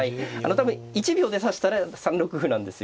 多分１秒で指したら３六歩なんですよ。